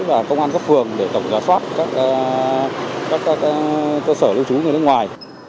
và công an các phường để tổng giả soát các cơ sở lưu trú người nước ngoài